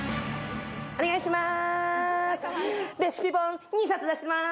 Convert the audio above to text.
お願いします！